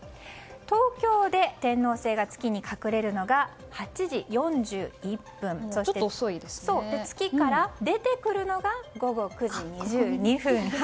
東京で天王星が月に隠れるのが８時４１分月から出てくるのが午後９時２２分。